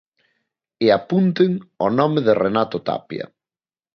E apunten o nome de Renato Tapia.